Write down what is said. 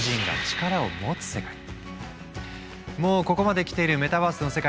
まさにもうここまできているメタバースの世界。